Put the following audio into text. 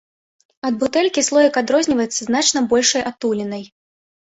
Ад бутэлькі слоік адрозніваецца значна большай адтулінай.